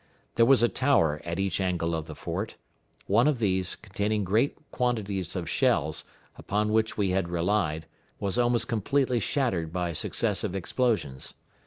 There was a tower at each angle of the fort. One of these, containing great quantities of shells, upon which we had relied, was almost completely shattered by successive explosions.